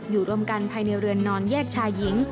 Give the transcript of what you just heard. รวมกันภายในเรือนนอนแยกชายหญิง